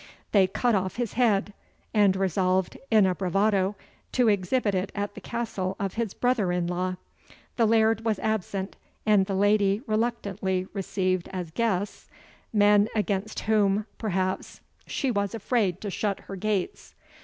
They cut off his head, and resolved, in a bravado, to exhibit it at the castle of his brother in law. The laird was absent, and the lady reluctantly received as guests, men against whom, perhaps, she was afraid to shut her gates.